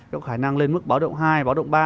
có khả năng lên mức báo động hai báo động ba